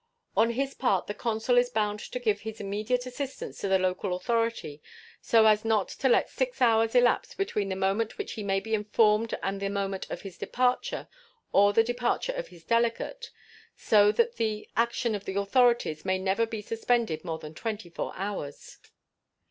On his part the consul is bound to give his immediate assistance to the local authority so as not to let six hours elapse between the moment which he may be informed and the moment of his departure or the departure of his delegate, so that the action of the authorities may never be suspended more than twenty four hours.